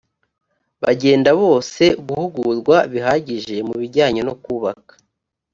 bagenda bose guhugurwa bihagije mu bijyanye nokubaka